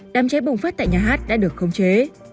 đám cháy bùng phát tại nhà hát đã được khống chế